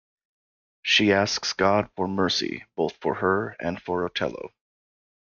She asks God for mercy, both for her and for Otello.